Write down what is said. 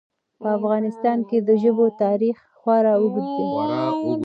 په افغانستان کې د ژبو تاریخ خورا اوږد دی.